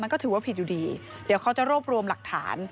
ก็ถือว่าผิดอยู่ดีเดี๋ยวเขาจะรวบรวมหลักฐาน